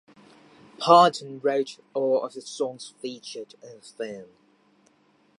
Parton wrote all of the songs featured in the film.